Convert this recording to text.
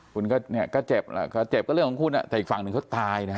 คุณก็เนี่ยก็เจ็บก็เจ็บก็เรื่องของคุณแต่อีกฝั่งหนึ่งเขาตายนะฮะ